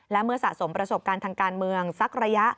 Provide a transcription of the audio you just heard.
และเมื่อสะสมประสบการณ์ทางการเมืองสักระยะ